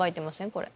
これ。